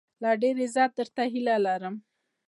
لا ډېر عزت، درته هيله لرم